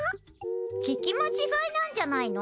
聞き間違いなんじゃないの？